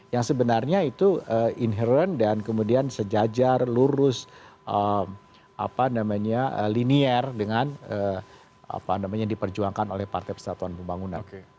yang sebenarnya itu inherent dan kemudian sejajar lurus linier dengan diperjuangkan oleh partai persatuan pembangunan